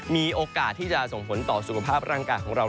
มีโอกาสที่จะส่งผลต่อสุขภาพร่างกายของเรา